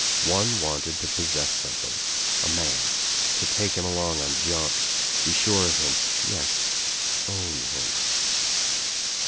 One wanted to possess something — a man — to take him along on jaunts, be sure of him, yes — own him.